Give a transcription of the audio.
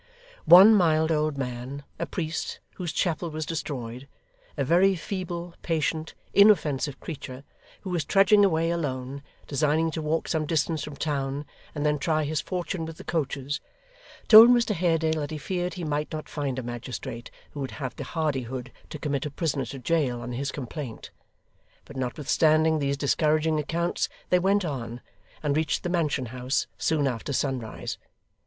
One mild old man a priest, whose chapel was destroyed; a very feeble, patient, inoffensive creature who was trudging away, alone, designing to walk some distance from town, and then try his fortune with the coaches, told Mr Haredale that he feared he might not find a magistrate who would have the hardihood to commit a prisoner to jail, on his complaint. But notwithstanding these discouraging accounts they went on, and reached the Mansion House soon after sunrise.